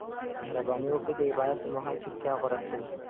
مهرباني وکړئ د عبادت پر مهال چوپتیا غوره کړئ.